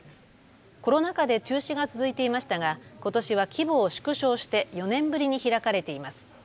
コロナ禍で中止が続いていましたが、ことしは規模を縮小して４年ぶりに開かれています。